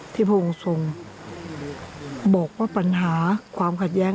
พระองค์ทรงบอกว่าปัญหาความขัดแย้ง